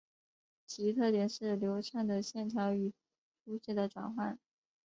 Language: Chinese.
其特点是流畅的线条与粗细的转换。